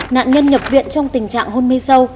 nạn nhân nhập viện trong tình trạng hôn mê sâu